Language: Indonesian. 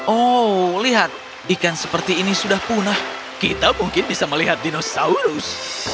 oh lihat ikan seperti ini sudah punah kita mungkin bisa melihat dinosaurus